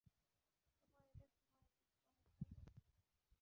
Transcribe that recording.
তোমার এটা শোনা উচিত, চমৎকার গল্প।